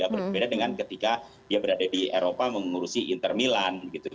berbeda dengan ketika dia berada di eropa mengurusi inter milan